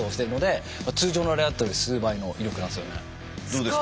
どうですか？